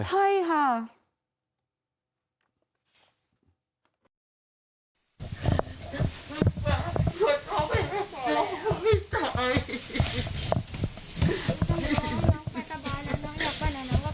ใช่ค่ะ